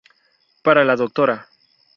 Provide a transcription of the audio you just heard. Para la Dra.